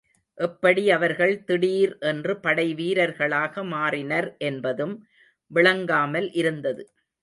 எப்படி அவர்கள் திடீர் என்று படை வீரர்களாக மாறினர் என்பதும் விளங்காமல் இருந்தது.